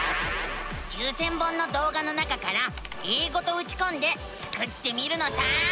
９，０００本のどうがの中から「英語」とうちこんでスクってみるのさ！